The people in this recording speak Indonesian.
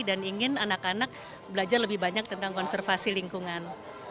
dan ingin anak anak belajar lebih banyak tentang konservasi lingkungan